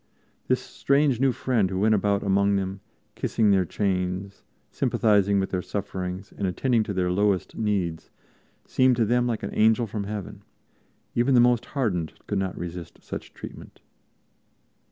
This strange new friend who went about among them, kissing their chains, sympathizing with their sufferings and attending to their lowest needs seemed to them like an Angel from Heaven; even the most hardened could not resist such treatment.